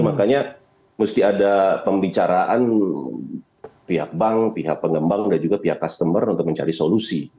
makanya mesti ada pembicaraan pihak bank pihak pengembang dan juga pihak customer untuk mencari solusi